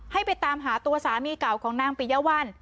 ให้ไปตามหาตัวสามีเก่าของนางปิยวัล